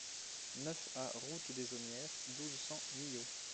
neuf A route des Aumières, douze, cent, Millau